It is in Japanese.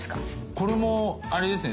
これもあれですね。